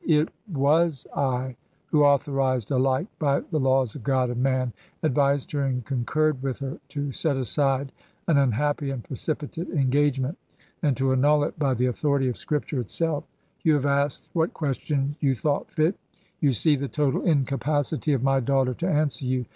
'It was I, who, authorized alike by the laws of God and man, advised her and concurred with her to set aside an unhappy and precipitate engagement — and to annul it by the authority of Scripture itself. ... You have asked what questions you thought fit. You see the total incapacity of my daughter to answer you.